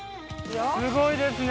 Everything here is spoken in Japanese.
すごいですね。